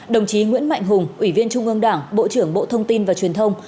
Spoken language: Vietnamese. đồng chí nguyễn mạnh hùng ủy viên trung ương đảng bộ trưởng bộ thông tin và truyền thông